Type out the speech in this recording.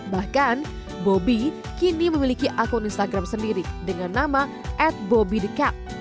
bahkan bobby kini memiliki akun instagram sendiri dengan nama atbobbythecat